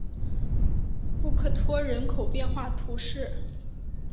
布克托人口变化图示